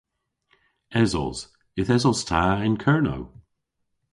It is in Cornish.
Esos. Yth esos ta yn Kernow.